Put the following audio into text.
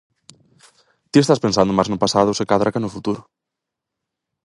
Ti estás pensando máis no pasado, se cadra, ca no futuro...